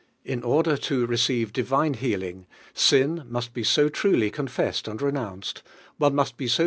in order to receive Mw healing, sin must be so truly roll Fesseil and renounced, one musl lie si!